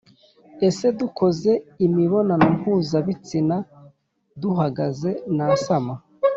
Ese dukoze imibonano mpuzabitsina duhagaze nasama